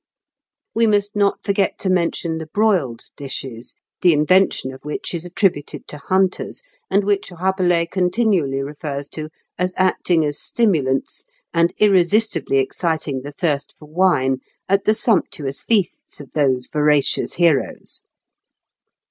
We must not forget to mention the broiled dishes, the invention of which is attributed to hunters, and which Rabelais continually refers to as acting as stimulants and irresistibly exciting the thirst for wine at the sumptuous feasts of those voracious heroes (Fig.